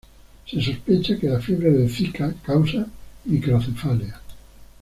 Se sospecha que la fiebre del Zika causa microcefalia.